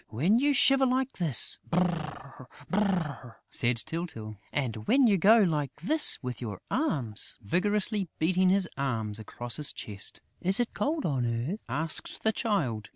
"When you shiver like this: Brrr! Brrr!" said Tyltyl. "And when you go like this with your arms," vigorously beating his arms across his chest. "Is it cold on earth?" asked the Child.